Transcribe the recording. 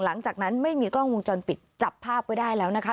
หลังจากนั้นไม่มีกล้องวงจรปิดจับภาพไว้ได้แล้วนะคะ